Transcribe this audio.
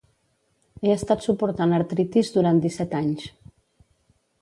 He estat suportant artritis durant disset anys.